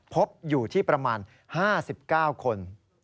พบอยู่ที่ประมาณ๕๙คน